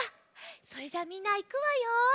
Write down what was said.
それじゃあみんないくわよ。